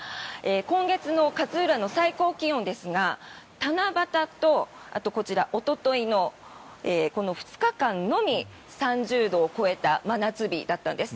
今月の勝浦の最高気温ですが七夕と、おとといの２日間のみ３０度を超えた真夏日だったんです。